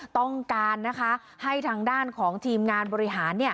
ต้องการให้ทางด้านของทีมงานบริหาร